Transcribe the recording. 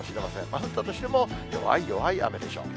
降ったとしても、弱い弱い雨でしょう。